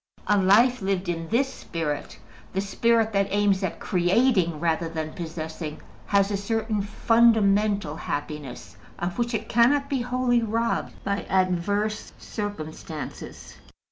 A life lived in this spirit the spirit that aims at creating rather than possessing has a certain fundamental happiness, of which it cannot be wholly robbed by adverse circumstances.